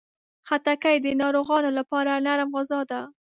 خټکی د ناروغانو لپاره نرم غذا ده.